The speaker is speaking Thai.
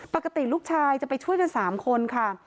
ปกติลูกชายจะไปช่วยกัน๓คนค่ะ